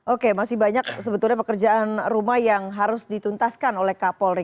oke masih banyak sebetulnya pekerjaan rumah yang harus dituntaskan oleh kapolri